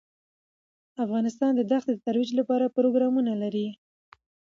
افغانستان د دښتې د ترویج لپاره پروګرامونه لري.